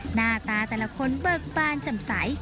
หน้าตาแต่ละคนเบิกบานจำใส